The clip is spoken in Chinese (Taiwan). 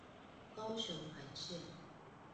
高雄環線